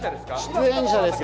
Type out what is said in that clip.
出演者です。